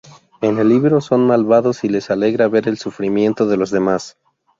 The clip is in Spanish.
En el libro son malvados y les alegra ver el sufrimiento de los demás.